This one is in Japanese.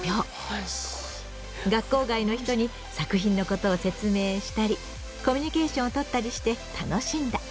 学校外の人に作品のことを説明したりコミュニケーションを取ったりして楽しんだ。